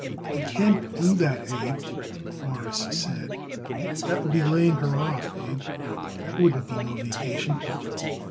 "You can't do that, Abe," Morris said. "That would be laying her off, Abe; that wouldn't be no vacation."